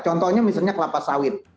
contohnya misalnya kelapa sawit